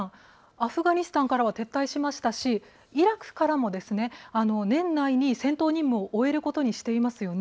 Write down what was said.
アフガニスタンからは撤退しましたしイラクからも、年内に戦闘任務を終えることにしていますよね。